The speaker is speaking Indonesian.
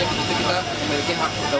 ini memang di wilayah jenis jenis cina kita